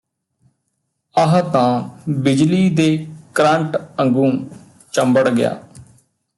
ਆਹ ਤਾਂ ਬਿਜਲੀ ਦੇ ਕਰੰਟ ਅੰਗੂੰ ਚੰਬੜ ਗਿਆ